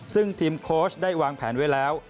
ซึ่งทีมโค้ชได้วางแผนไว้แล้ว